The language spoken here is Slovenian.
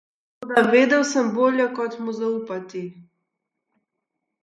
Toda vedel sem bolje, kot mu zaupati.